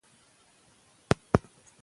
که ډاکټر مسلکی وي نو ناروغ نه معیوب کیږي.